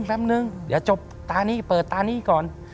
เดี๋ยวจบตานี้เปิดตานี้ก่อน